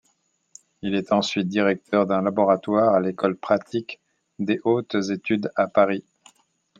Il est ensuite directeur d'un laboratoire à l'École pratique des hautes études à Paris.